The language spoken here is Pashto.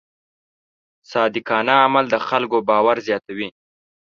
صادقانه عمل د خلکو باور زیاتوي.